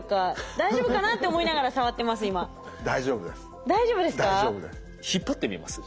大丈夫です。